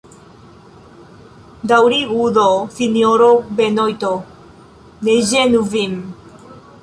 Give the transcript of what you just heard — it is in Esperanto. Daŭrigu do, sinjoro Benojto; ne ĝenu vin.